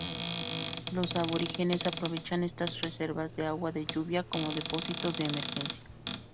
Los aborígenes aprovechan estas reservas de agua de lluvia como depósitos de emergencia.